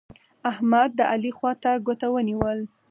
احمد؛ د علي خوا ته ګوته ونيول.